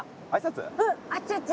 うんあっちあっち。